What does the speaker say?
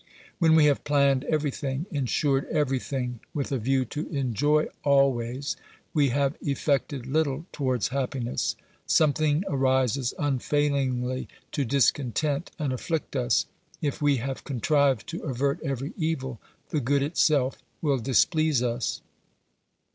When we have planned everything, insured everything with a view to enjoy always, wc have effected little towards io6 OBERMANN happiness. Something arises unfaiUngly to discontent and afflict us; if we have contrived to avert every evil, the good itself will displease us.